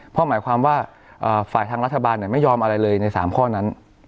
เพราะหมายความว่าฝ่ายทางรัฐบาลไม่ยอมอะไรเลยใน๓ข้อนั้น